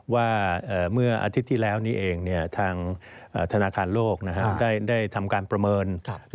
ว่าเมื่ออาทิตย์ที่แล้วนี้เองทางธนาคารโลกได้ทำการประเมิน